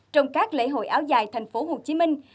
trong các lễ hội áo dài thành phố hồ chí minh